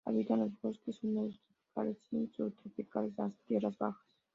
Habita en los bosques húmedos tropicales y subtropicales de las tierras bajas.